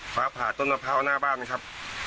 ฟ้าผ่าต้นมะพร้าวหน้าบ้านไหมครับ